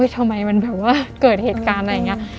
ทำไมมันแบบว่าเกิดเหตุการณ์อะไรอย่างนี้